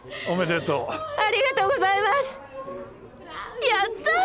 おめでとう！